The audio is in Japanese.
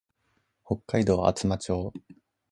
北海道厚真町